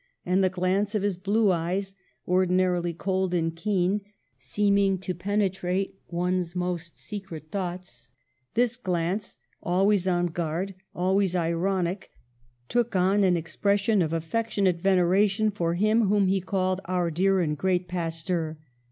And the glance of his blue eyes, ordi narily cold and keen, seeming to penetrate one's most secret thoughts, this glance, always on guard, always ironic, took on an expression of affectionate veneration for him whom he called ^'our dear and great Pasteur."